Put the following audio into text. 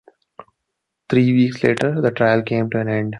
Three weeks later the trial came to an end.